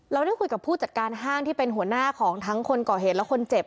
เราได้คุยกับผู้จัดการห้างที่เป็นหัวหน้าของทั้งคนก่อเหตุและคนเจ็บ